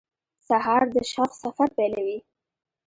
سهار د شوق سفر پیلوي.